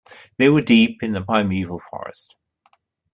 They were deep in the primeval forest.